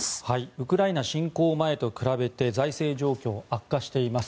ウクライナ侵攻前と比べて財政状況悪化しています。